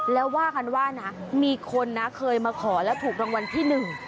แล้วว่ากันว่านะมีคนนะเคยมาขอแล้วถูกรางวัลที่หนึ่ง